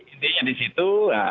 intinya di situ